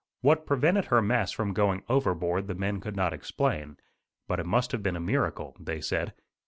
What prevented her masts from going overboard the men could not explain; but it must have been a miracle, they said.